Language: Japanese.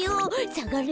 さがれ。